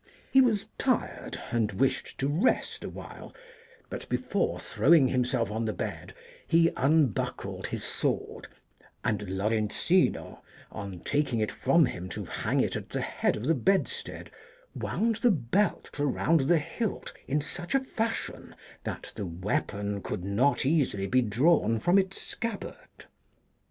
He was tired and wished to rest awhile, but before throwing himself on the bed he unbuckled his sword, and Lorenzino, on taking it from him to hang it at the head of the bedstead, wound the belt around the hilt in such a fashion that the weapon could not be easily drawn from its scabbard.